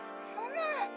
そんな⁉